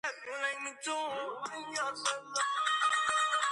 მოთხარა ეფრემამ ხის ფესვები და...